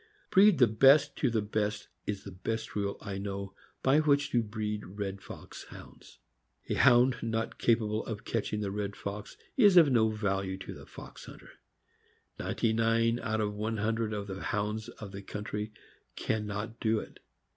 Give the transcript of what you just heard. Breed the best to the best is the best rule I know by which to breed red fox Hounds. A Hound not capable o,f catching a red fox is of no value to a fox hunter. Ninety nine out of one hundred of the Hounds of the country can not do it.